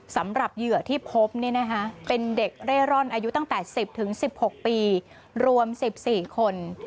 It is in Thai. เหยื่อที่พบเป็นเด็กเร่ร่อนอายุตั้งแต่๑๐๑๖ปีรวม๑๔คน